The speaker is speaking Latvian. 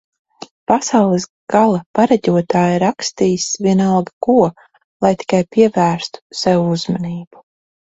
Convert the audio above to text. Pasaules gala pareģotāji rakstīs vienalga ko, lai tikai pievērstu sev uzmanību